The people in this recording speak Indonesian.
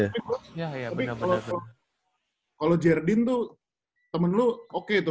tapi kalau jardine tuh temen lu oke tuh